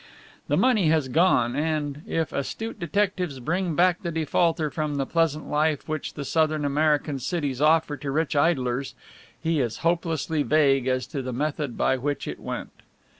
The money has gone and, if astute detectives bring back the defaulter from the pleasant life which the Southern American cities offer to rich idlers, he is hopelessly vague as to the method by which it went.